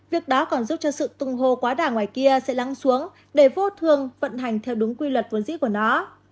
việc đá còn giúp cho sự tung hô quá đà ngoài kia sẽ lắng xuống để vô thường vận hành theo đúng quy luật vốn dĩ của nó